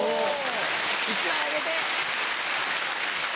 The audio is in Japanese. １枚あげて。